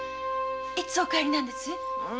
いつお帰りなんです？